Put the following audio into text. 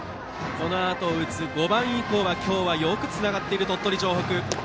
このあと打つ５番以降は今日はよくつながっている鳥取城北。